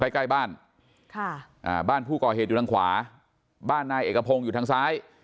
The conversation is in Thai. ใกล้บ้านบ้านผู้ก่อเหตุอยู่ทางขวาบ้านนายเอกพงศ์อยู่ทางซ้าย